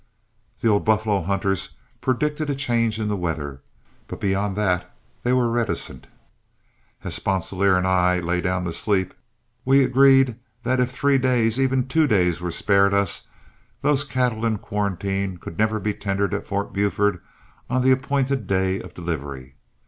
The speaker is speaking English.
The old buffalo hunters predicted a change in the weather, but beyond that they were reticent. As Sponsilier and I lay down to sleep, we agreed that if three days, even two days, were spared us, those cattle in quarantine could never be tendered at Fort Buford on the appointed day of delivery.